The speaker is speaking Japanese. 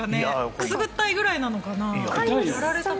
くすぐったいぐらいなのかな？